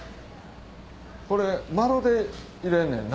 これ丸で入れんねんな。